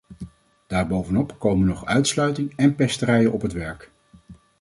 Daarbovenop komen nog uitsluiting en pesterijen op het werk.